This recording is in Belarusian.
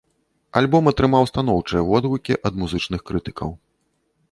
Альбом атрымаў станоўчыя водгукі ад музычных крытыкаў.